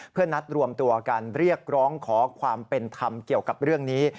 เพื่อนัดรวมตัวกันเรียกร้องขอความเป็นธรรมเกี่ยวกับเรื่องนี้